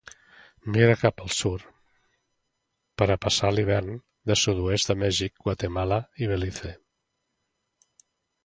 Migra cap al sud per ha passar l'hivern al sud-oest de Mèxic, Guatemala i Belize.